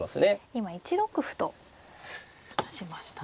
今１六歩と指しましたね。